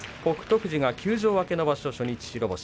富士、休場明けの場所初日白星。